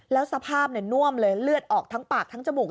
แล้วสภาพน่วมเลยเลือดออกทั้งปากทั้งจมูก